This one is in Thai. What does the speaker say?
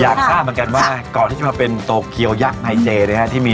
อยากทราบเหมือนกันว่าก่อนที่จะมาเป็นโตเกียวยักษ์ในเจนะฮะที่มี